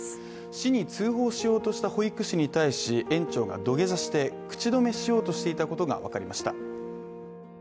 市に通報しようとした保育士に対し園長が土下座して、口止めしようとしていたことが分かりました。